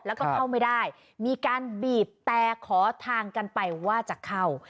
แล้วก็เข้าไม่ได้มีการบีบแต่ขอทางกันไปว่าจะเข้า